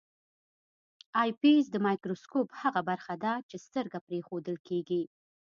آی پیس د مایکروسکوپ هغه برخه ده چې سترګه پرې ایښودل کیږي.